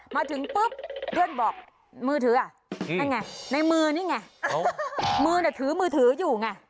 มาถึงปุ๊บเพื่อนบอกมือถือนี่ไงมือถืมือถืออยู่ไง